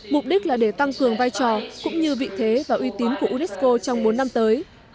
mục đích là để tăng cường vai trò cũng như vị thế và uy tín của unesco trong bốn năm tới